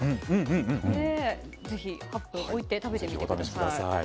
ぜひ８分置いて食べてみてください。